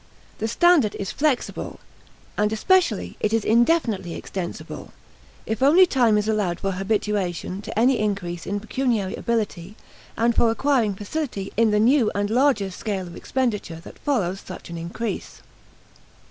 The standard is flexible; and especially it is indefinitely extensible, if only time is allowed for habituation to any increase in pecuniary ability and for acquiring facility in the new and larger scale of expenditure that follows such an increase.